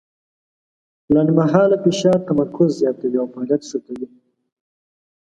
لنډمهاله فشار تمرکز زیاتوي او فعالیت ښه کوي.